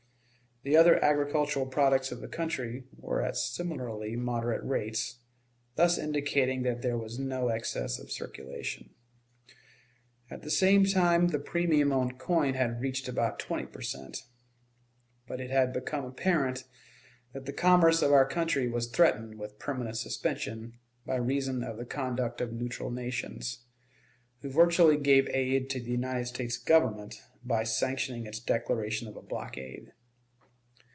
The other agricultural products of the country were at similarly moderate rates, thus indicating that there was no excess of circulation. At the same time the premium on coin had reached about twenty per cent. But it had become apparent that the commerce of our country was threatened with permanent suspension by reason of the conduct of neutral nations, who virtually gave aid to the United States Government by sanctioning its declaration of a blockade.